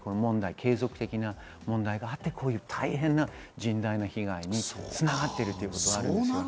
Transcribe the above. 継続的な問題があって、大変な、甚大な被害に繋がっているということがあります。